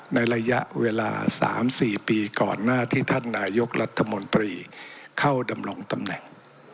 ในระยะเวลา๓๔ปีก่อนหน้าที่ท่านนายกรัฐมนตรีเข้าดำรงตำแหน่ง